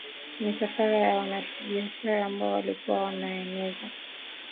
misafara ya wafanyabiashara ambao walikuwa wanaeneza